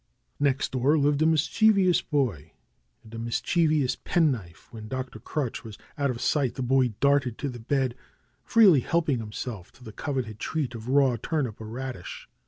Next door lived a mischievous boy and a mischievous penknife, and when Dr, Crutch was out of sight the boy darted to the bed, freely helping himself to the coveted treat of raw turnip or radish.